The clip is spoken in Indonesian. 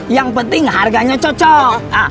yang penting harganya cocok